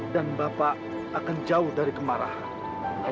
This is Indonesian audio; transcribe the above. dan bapak akan jauh dari kemarahan